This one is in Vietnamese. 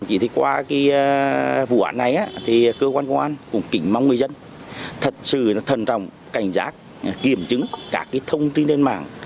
chỉ qua vụ án này thì cơ quan công an cũng kỉnh mong người dân thật sự thân trọng cảnh giác kiểm chứng các thông tin trên mạng